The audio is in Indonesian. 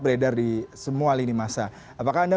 beredar di semua lini masa apakah anda